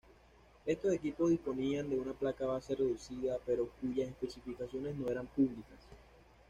Estos equipos disponían de una placa base reducida, pero cuyas especificaciones no eran públicas.